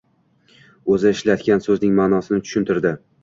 O’zi ishlatgan so’zning ma’nosini tushuntirdi.